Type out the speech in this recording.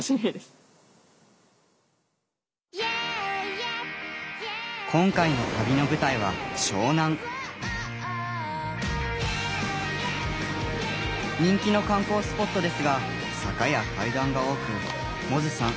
結構今回の旅の舞台は人気の観光スポットですが坂や階段が多く百舌さん